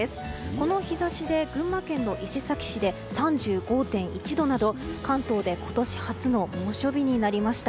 この日差しで群馬県伊勢崎市で３５．１度など関東で今年初の猛暑日になりました。